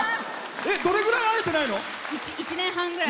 どれぐらい会えてないの？